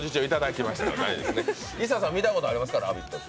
ＩＳＳＡさん、見たことありますか、「ラヴィット！」。